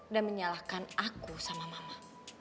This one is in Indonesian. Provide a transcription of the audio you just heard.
dan menyalahkan aku sama mama